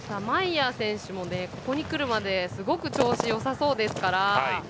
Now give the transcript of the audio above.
マイヤー選手もここにくるまですごく調子、よさそうですから。